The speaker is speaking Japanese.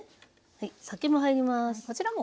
はい酒も入ります。